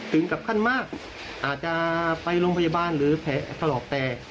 ถึงกับขั้นมากอาจจะไปโรงพยาบาลหรือแผลถลอกแตก